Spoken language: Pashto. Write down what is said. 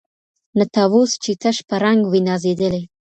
نه طاووس چي تش په رنګ وي نازېدلی